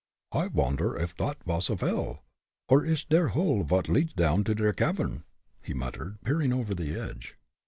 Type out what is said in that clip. "I vonder off dot vas a well, or ish der hole vot leads down into der cavern," he muttered, peering over the edge.